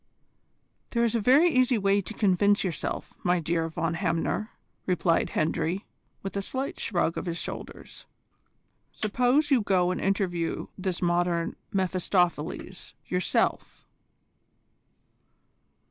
"There is a very easy way to convince yourself, my dear Von Hamner," replied Hendry, with a slight shrug of his shoulders. "Suppose you go and interview this modern Mephistopheles yourself?"